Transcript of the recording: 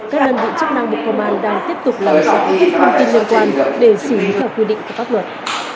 các đơn vị chức năng bộ công an đang tiếp tục làm rõ những thông tin liên quan để xử lý theo quy định của pháp luật